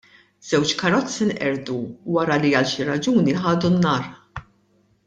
Żewġ karozzi nqerdu wara li għal xi raġuni ħadu n-nar.